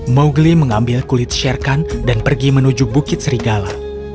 mowgli mengambil kulit sherkan dan pergi menuju bukit serigala